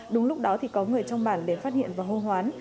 đúng lúc đó thì có người trong bản đến phát hiện và hô hoán